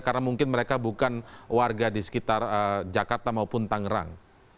karena mungkin mereka bukan warga di sekitar jakarta maupun tangerang